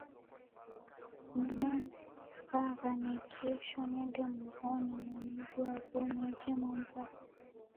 Nidambagha naikesho nende mw'ona mwanedu wa w'omi aje Mwambasa.